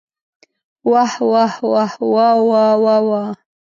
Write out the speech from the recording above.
واه واه واه واوا واوا.